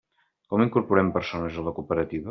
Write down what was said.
Com incorporem persones a la cooperativa?